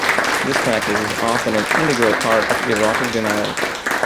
This practice is often an integral part of erotic denial.